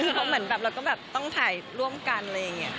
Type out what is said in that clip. คือเขาเหมือนแบบเราก็แบบต้องถ่ายร่วมกันอะไรอย่างนี้